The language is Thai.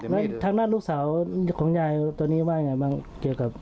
แล้วทางด้านลูกสาวของยายตัวนี้ว่ายังไงบ้างเกี่ยวกับ